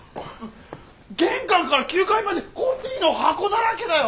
玄関から９階までコピーの箱だらけだよ！